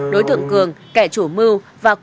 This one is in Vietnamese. đối tượng cường kẻ chủ mưu và khu vực